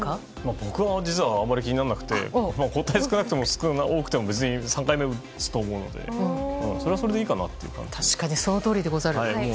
僕は実は、あまり気にならなくて抗体が少なくても多くても３回目を打つと思うのでそれはそれでいいかなって。